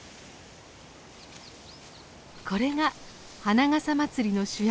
これが「花笠まつり」の主役